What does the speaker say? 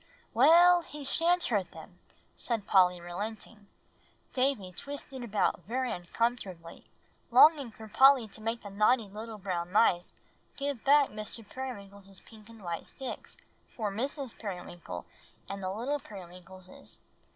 "Well, he sha'n't hurt them," said Polly, relenting. Davie twisted about very uncomfortably, longing for Polly to make the naughty little brown mice give back Mr. Periwinkle's pink and white sticks for Mrs. Periwinkle and the little Periwinkleses.